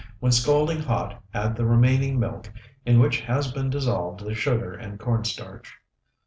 When scalding hot, add the remaining milk in which has been dissolved the sugar and corn starch.